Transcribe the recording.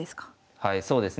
はいそうですね。